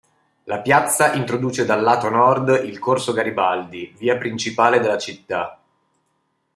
La piazza introduce dal lato nord il Corso Garibaldi, via principale della città.